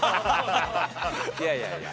いやいやいや。